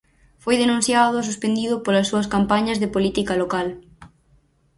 Foi denunciado e suspendido polas súas campañas de política local.